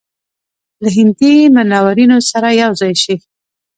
له هندي منورینو سره یو ځای شي.